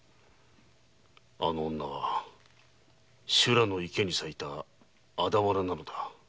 あの女は修羅の池に咲いた徒花なのだ。